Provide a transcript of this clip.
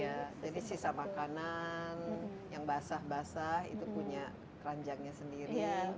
jadi sisa makanan yang basah basah itu punya keranjangnya sendiri